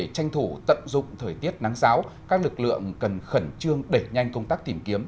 cụ tận dụng thời tiết nắng giáo các lực lượng cần khẩn trương đẩy nhanh công tác tìm kiếm